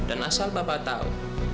dan asal bapak tau